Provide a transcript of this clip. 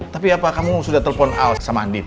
tapi apa kamu sudah telpon out sama andi